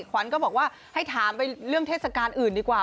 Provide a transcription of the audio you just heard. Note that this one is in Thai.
ขวัญก็บอกว่าให้ถามไปเรื่องเทศกาลอื่นดีกว่า